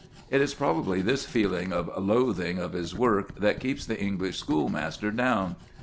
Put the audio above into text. It is probably this feeling of loathing of his work that keeps the English schoolmaster down.